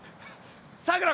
さくら